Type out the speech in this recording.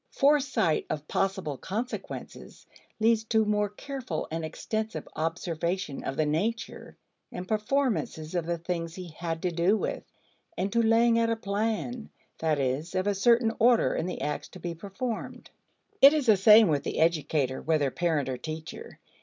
Foresight of possible consequences leads to more careful and extensive observation of the nature and performances of the things he had to do with, and to laying out a plan that is, of a certain order in the acts to be performed. It is the same with the educator, whether parent or teacher.